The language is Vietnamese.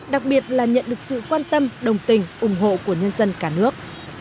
đặc biệt là nhận được sự quan tâm đồng tình ủng hộ của nhân dân cả nước